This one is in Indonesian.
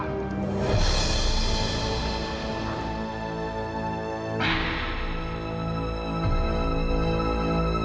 saya tidak tahu apa yang kamu katakan